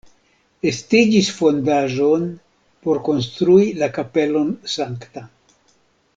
Estiĝis fondaĵon por konstrui la kapelon Sankta.